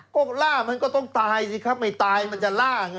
ก็ล่ามันก็ต้องตายสิครับไม่ตายมันจะล่าไง